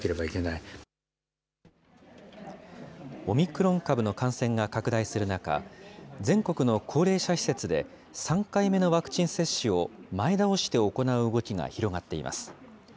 オミクロン株の感染が拡大する中、全国の高齢者施設で３回目のワクチン接種を前倒して行う動きが広がっています。